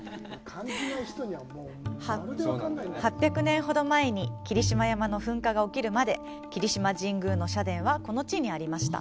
８００年ほど前に霧島山の噴火が起きるまで霧島神宮の社殿はこの地にありました。